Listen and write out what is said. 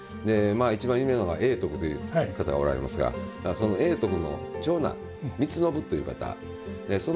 一番有名なのは永徳という方がおられますがその永徳の長男光信という方その方が描かれたと。